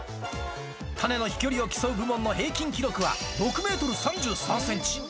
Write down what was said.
種の飛距離を競う部門の平均記録は、６メートル３３センチ。